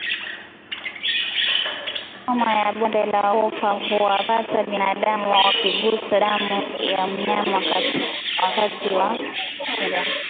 Homa ya bonde la ufa huwapata binadamu wakigusa damu ya mnyama wakati wa kuchinja